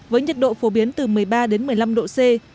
với nhiệt độ phổ biến từ một mươi ba đến một mươi năm độ c